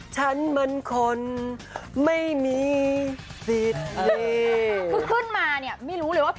ฉันมันคนไม่มีสิทธิ์